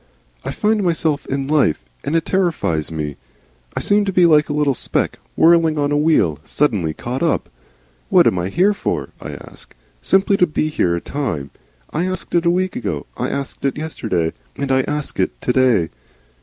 "I find myself in life, and it terrifies me. I seem to be like a little speck, whirling on a wheel, suddenly caught up. 'What am I here for?' I ask. Simply to be here at a time I asked it a week ago, I asked it yesterday, and I ask it to day.